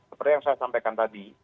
seperti yang saya sampaikan tadi